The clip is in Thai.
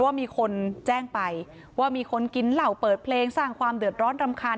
ว่ามีคนแจ้งไปว่ามีคนกินเหล่าเปิดเพลงสร้างความเดือดร้อนรำคาญ